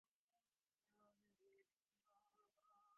ނ. ލަންދޫ ސްކޫލަށް ޕްރިންސިޕަލަކު ހޯދުން